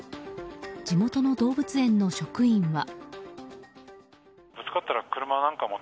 地元の動物園の職員は。